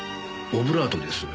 オブラートです。